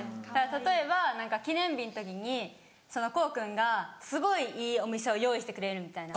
例えば何か記念日の時にこーくんがすごいいいお店を用意してくれるみたいな。